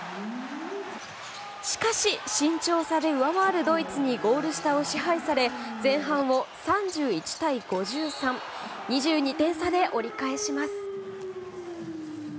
しかし、身長差で上回るドイツにゴール下を支配され前半を３１対５３２２点差で折り返します。